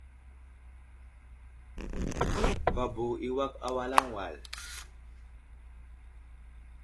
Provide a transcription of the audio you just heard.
Babo i awak awalaŋ wal.